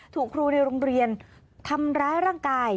ถูกครูในโรงเรียนทำร้ายร่างกาย